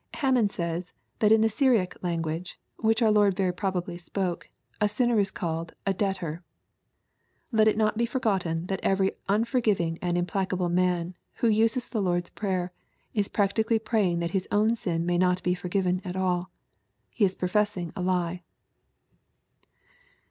Hammond says, that in the Syriac language, which our Lord very probably spoke, a sinner is called "a debtor." Let it not be forgotten that every unforgiving and implacable man, who uses the Lord's Prayer, isj)ractically praying that his own sin may not be forgiven at all. He is professing a He.